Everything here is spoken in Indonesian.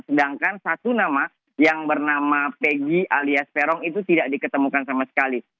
sedangkan satu nama yang bernama peggy alias peron itu tidak diketemukan sama sekali